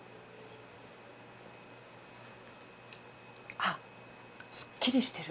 あすっきりしてる。